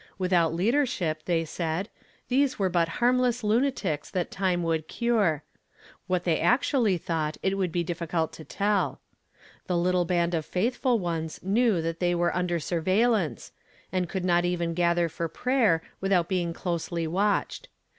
Without leaderehip, they said, these were but hannless lunatics that time would cure. What they actually thought it would be difficult to tell. The little band of faithful onea " I WILL WORK, AND WHO SHALL LET IT ?" 339 knew that they were under surveillance, a„,I could not even gather for prayer without «ing closely watched.